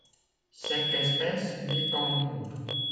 Cette espèce vit en groupes.